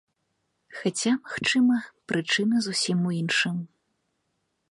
Хаця, магчыма, прычына зусім у іншым.